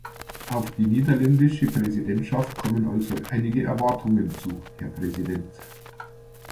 Auf die niederländische Präsidentschaft kommen also einige Erwartungen zu, Herr Präsident.